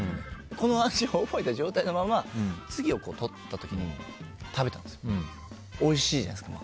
この味を覚えた状態のまま次をとった時に食べたらおいしいじゃないですか。